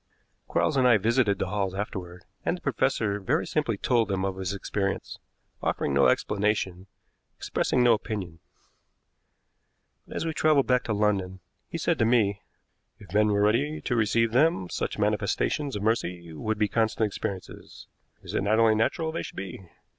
Quarles and I visited the Halls afterward, and the professor very simply told them of his experience, offering no explanation, expressing no opinion. But as we traveled back to London, he said to me: "If men were ready to receive them, such manifestations of mercy would be constant experiences. Is it not only natural they should be?